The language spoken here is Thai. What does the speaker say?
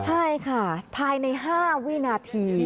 ใช่ค่ะภายใน๕วินาที